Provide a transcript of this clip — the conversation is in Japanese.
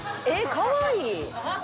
かわいい。